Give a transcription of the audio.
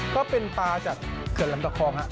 ก็เป็นปลาจากเกิดลำตะคอง